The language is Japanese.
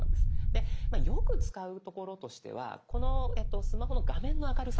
でよく使うところとしてはこのスマホの画面の明るさ。